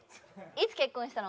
いつ結婚したの？